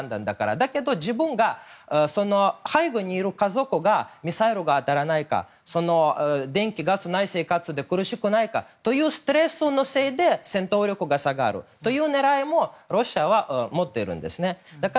だけど背後にいる家族がミサイルが当たらないか電気・ガスがない生活で苦しくないか、というストレスのせいで戦闘力が下がるという狙いもロシアは持っているんですね。